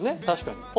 確かに。